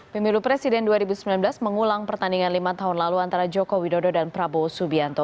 pemilu presiden dua ribu sembilan belas mengulang pertandingan lima tahun lalu antara joko widodo dan prabowo subianto